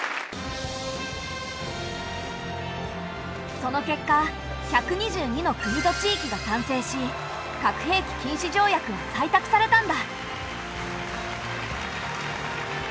その結果１２２の国と地域が賛成し核兵器禁止条約は採択されたんだ。